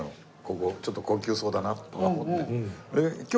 ここちょっと高級そうだなとか思って。